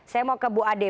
saya mau ke bu ade